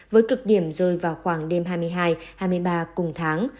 với cực điểm rơi vào khoảng đêm hai mươi hai hai mươi ba cuối tuần